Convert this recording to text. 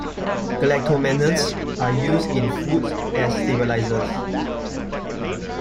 Galactomannans are used in foods as stabilisers.